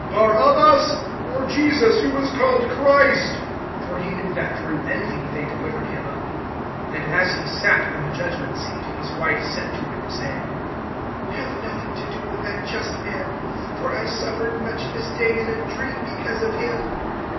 Barabbas, or Jesus who is called Christ? (18)For he knew that through envy they delivered him up. (19)And as he sat on the judgment seat, his wife sent to him, saying: Have nothing to do with that just man; for I suffered much this day, in a dream, because of him.